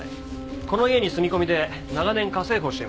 この家に住み込みで長年家政婦をしていました。